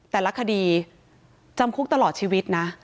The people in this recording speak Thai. แต่ละคดีจำคุกตลอดชีวิตนะ